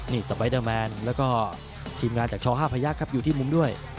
นี่สไปเดอร์แมนแล้วก็ทีมงานจากช๕พยักษ์ครับอยู่ที่มุมด้วย